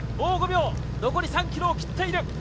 残り３ｋｍを切っている。